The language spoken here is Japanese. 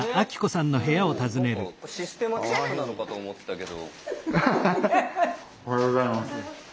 何かシステマチックなのかと思ってたけど。